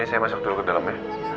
saya masuk dulu ke dalamnya